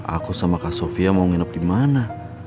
aku sama kak sofia mau nginep di mana